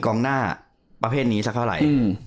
กองหน้าประเภทนี้สักเท่าไหร่